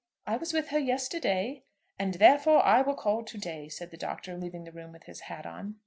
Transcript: "I was with her yesterday." "And therefore I will call to day," said the Doctor, leaving the room with his hat on.